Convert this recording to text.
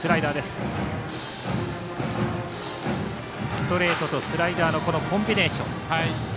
ストレートとスライダーのコンビネーション。